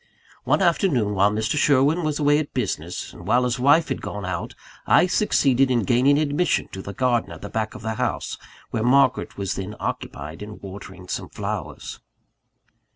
One afternoon, while Mr. Sherwin was away at business, and while his wife had gone out, I succeeded in gaining admission to the garden at the back of the house, where Margaret was then occupied in watering some flowers.